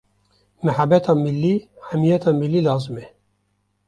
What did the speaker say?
mihebeta millî, hemiyeta millî lazim e.